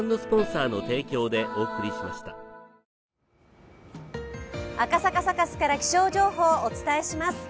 サカスから気象情報をお伝えします。